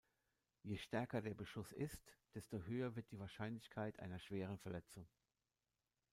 Je stärker der Beschuss ist, desto höher wird die Wahrscheinlichkeit einer schweren Verletzung.